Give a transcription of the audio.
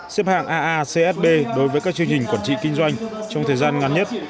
xếp hạng aacsb đối với các chương trình quản trị kinh doanh trong thời gian ngắn nhất